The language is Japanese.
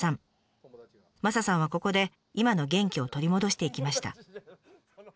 マサさんはここで今の元気を取り戻していきました。